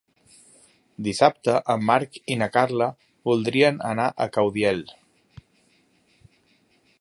Dissabte en Marc i na Carla voldrien anar a Caudiel.